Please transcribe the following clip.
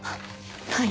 はい。